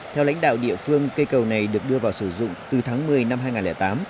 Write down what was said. theo lãnh đạo địa phương cây cầu này được đưa vào sử dụng từ tháng một mươi năm hai nghìn tám